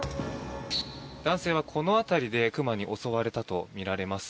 男性はこの辺りで熊に襲われたとみられます。